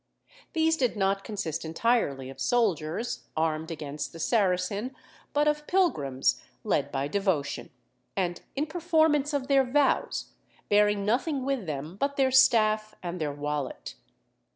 These did not consist entirely of soldiers, armed against the Saracen, but of pilgrims led by devotion, and in performance of their vows, bearing nothing with them but their staff and their wallet.